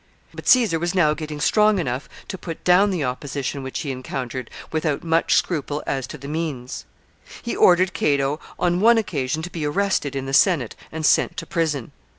But Caesar was now getting strong enough to put down the opposition which he encountered with out much scruple as to the means. He ordered Cato on one occasion to be arrested in the Senate and sent to prison.